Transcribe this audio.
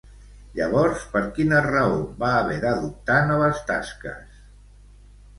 Llavors, per quina raó va haver d'adoptar noves tasques?